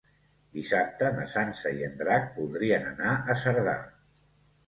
Dissabte na Sança i en Drac voldrien anar a Cerdà.